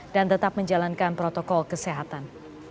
dan tetap menjalankan protokol kesehatan